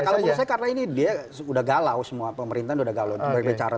kalau menurut saya karena ini dia sudah galau semua pemerintahan udah galau